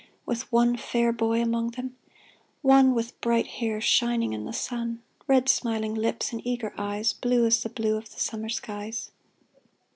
With one fair boy among them — one With bright hair shining in the sun, Red, smiling lips, and eager eyes. Blue as the blue of summer skies.